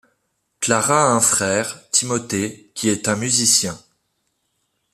Clare a un frère, Timothée, qui est un musicien.